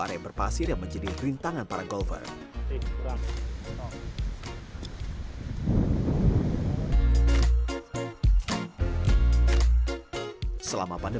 kualitas terbaik ini pada pkn reporter